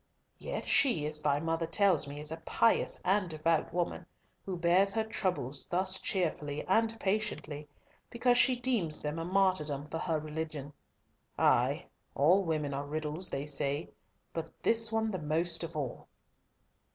Yet she, as thy mother tells me, is a pious and devout woman, who bears her troubles thus cheerfully and patiently, because she deems them a martyrdom for her religion. Ay, all women are riddles, they say, but this one the most of all!"